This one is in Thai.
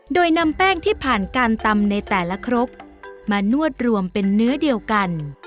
โดยนำแป้งที่ผ่านการตำในแต่ละครกมานวดรวมเป็นเนื้อเดียวกัน